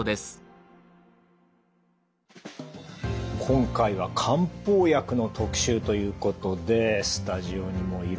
今回は漢方薬の特集ということでスタジオにもいろいろ並んでますね。